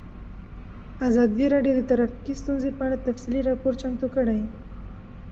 ازادي راډیو د ټرافیکي ستونزې په اړه تفصیلي راپور چمتو کړی.